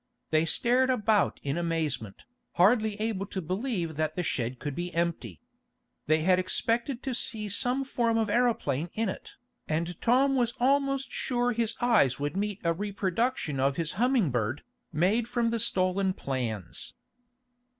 They stared about in amazement, hardly able to believe that the shed could be empty. They had expected to see some form of aeroplane in it, and Tom was almost sure his eyes would meet a reproduction of his Humming Bird, made from the stolen plans.